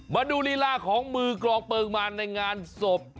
มาดูลีลาของมือกรองเปลืองมารในงานศพ